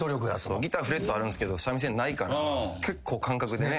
ギターフレットあるんすけど三味線ないから結構感覚でね。